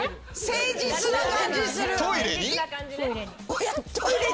誠実な感じする。